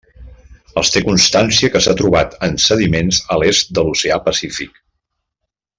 Es té constància que s'ha trobat en sediments a l'est de l'Oceà Pacífic.